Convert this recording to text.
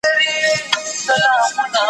له هيبته به يې تښتېدل پوځونه